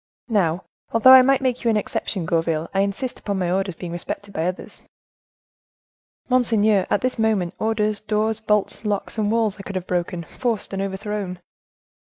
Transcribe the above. Now, although I might make you an exception, Gourville, I insist upon my orders being respected by others." "Monseigneur, at this moment, orders, doors, bolts, locks, and walls I could have broken, forced and overthrown!"